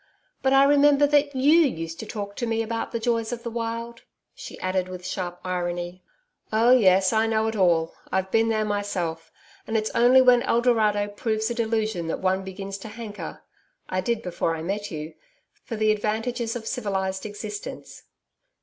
'But I remember that YOU used to talk to me about the joys of the Wild,' she added with sharp irony. 'Oh, yes, I know it all. I've been there myself. And it's only when El Dorado proves a delusion that one begins to hanker I did before I met you for the advantages of civilised existence.'